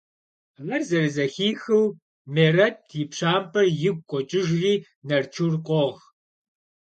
Ар зэрызэхихыу, Мерэт и пщампӀэр игу къокӀыжри Нарчур къогъ.